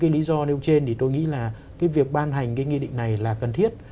lý do nêu trên thì tôi nghĩ là cái việc ban hành cái nghị định này là cần thiết